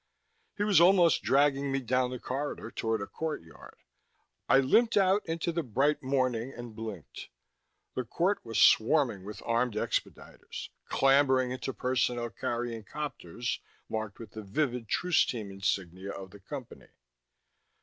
He was almost dragging me down the corridor, toward a courtyard. I limped out into the bright morning and blinked. The court was swarming with armed expediters, clambering into personnel carrying copters marked with the vivid truce team insignia of the Company.